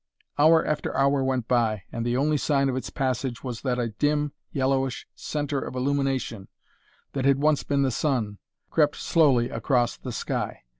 Hour after hour went by, and the only sign of its passage was that a dim, yellowish centre of illumination, that had once been the sun, crept slowly across the sky.